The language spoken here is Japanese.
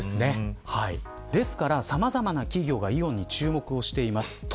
ですから、さまざまな企業がイオンに注目しています。